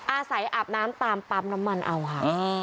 อาบน้ำตามปั๊มน้ำมันเอาค่ะ